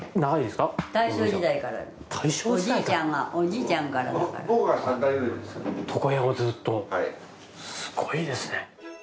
すごいですね。